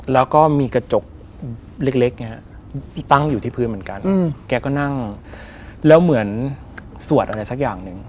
แล้วก็มีกระจกเล็กที่ตั้งอยู่ที่พื้นเหมือนกันแกก็นั่งแล้วเหมือนสวดอะไรสักอย่างหนึ่ง